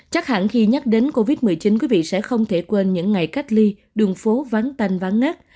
chắc hẳn khi nhắc đến covid một mươi chín quý vị sẽ không thể quên những ngày cách ly đường phố vắng tên vắng ngát